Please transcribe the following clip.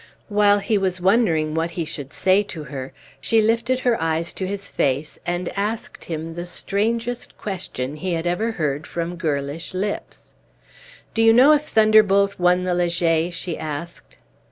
While he was wondering what he should say to her, she lifted her eyes to his face, and asked him the strangest question he had ever heard from girlish lips. "Do you know if Thunderbolt won the Leger?" she asked.